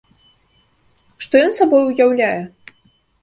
Што ён сабой уяўляе?